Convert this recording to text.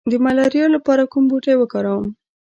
د ملاریا لپاره کوم بوټی وکاروم؟